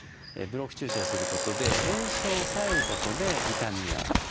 ブロック注射をすることで炎症を抑えることで痛みを取ると。